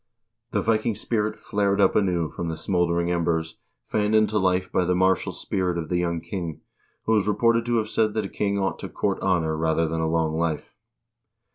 The Viking spirit flared up anew from the smoldering embers, fanned into life by the martial spirit of the young king, who is reported to have said that a king ought to court honor rather than a long life.